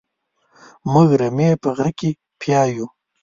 موږ رمې په غره کې پيايو.